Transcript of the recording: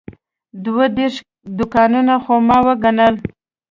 دوه دېرش دوکانونه خو ما وګڼل.